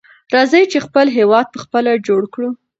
راځئ چې خپل هېواد په خپله جوړ کړو.